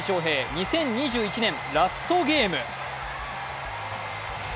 ２０２１年ラストゲーム。